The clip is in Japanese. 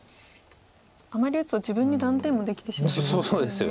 あまり打つと自分に断点もできてしまいますよね。